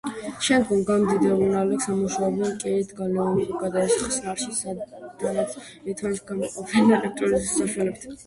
შემდგომ გამდიდრებულ ნალექს ამუშავებენ კირით, გალიუმი გადადის ხსნარში, საიდანაც ლითონს გამოყოფენ ელექტროლიზის საშუალებით.